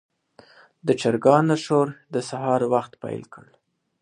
د چرګانو شور د سهار وخت پیل کړ.